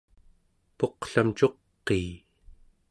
puqlam cuqii